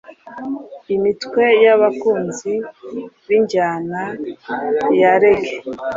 imitwe y’abakunzi b’injyana ya Reggae